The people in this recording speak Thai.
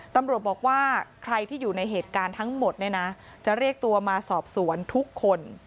ตำรวจบอกว่าใครที่อยู่ในเหตุการณ์ทั้งหมดเนี่ยนะจะเรียกตัวมาสอบสวนทุกคน